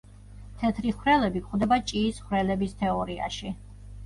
თეთრი ხვრელები გვხვდება ჭიის ხვრელების თეორიაში.